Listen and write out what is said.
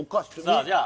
さあじゃあ